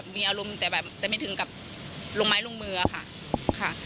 มีอารมณ์แต่ไม่ถึงกับลงไม้ลงมือค่ะ